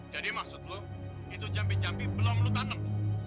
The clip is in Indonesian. jadi maksud lo itu jambi jambi belum lo tanam